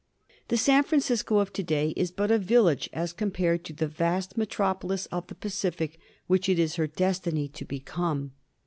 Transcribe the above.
The San Francisco of to day is but a village as compared to the vast metropolis of the Pacific which it is her destiny to become.